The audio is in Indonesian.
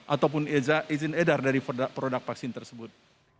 ataupun izin edar dari produk vaksin tersebut